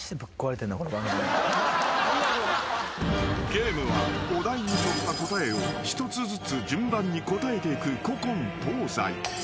［ゲームはお題に沿った答えを一つずつ順番に答えていく古今東西］